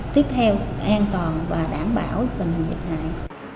tiếp theo an toàn và đảm bảo tình hình dịch hại